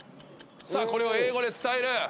さあこれを英語で伝える。